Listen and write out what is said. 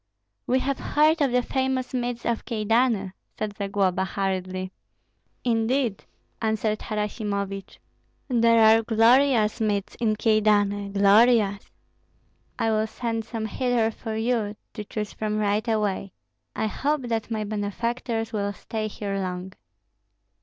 "We have heard of the famous meads of Kyedani," said Zagloba, hurriedly. "Indeed!" answered Harasimovich, "there are glorious meads in Kyedani, glorious. I will send some hither for you to choose from right away. I hope that my benefactors will stay here long."